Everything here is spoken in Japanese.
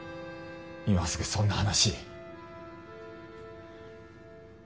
今すぐそんな話。